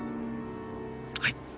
はい。